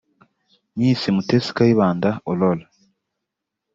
Miss Mutesi Kayibanda Aurore